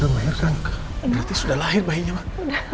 berarti sudah lahir bayinya pak